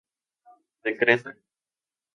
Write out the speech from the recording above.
De Creta.